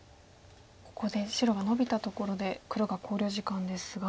ここで白がノビたところで黒が考慮時間ですが。